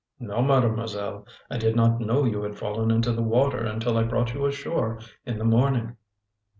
"No, Mademoiselle; I did not know you had fallen into the water until I brought you ashore in the morning."